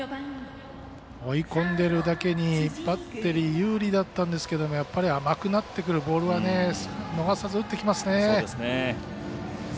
追い込んでるだけにバッテリー有利だったんですがやっぱり甘くなってくるボールは逃さず打ってきますね。